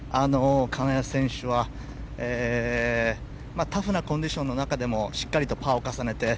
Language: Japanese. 金谷選手はタフなコンディションの中でもしっかりとパーを重ねて。